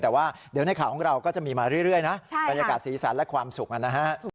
แต่ว่าเดี๋ยวในข่าวของเราก็จะมีมาเรื่อยนะบรรยากาศสีสันและความสุขนะฮะ